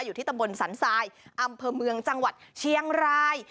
อยู่ที่ตำบลสันทรายอำเภอเมืองจังหวัดเชียงราย